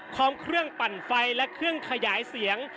พร้อมเครื่องปั่นไฟและเครื่องขยายเสียง